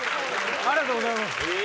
ありがとうございます。